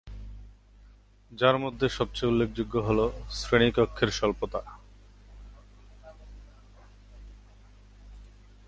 যার মধ্যে সবচেয়ে উল্লেখযোগ্য হল শ্রেণী কক্ষের স্বল্পতা।